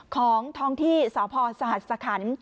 ของท่องที่สาวพอร์สหสขันต์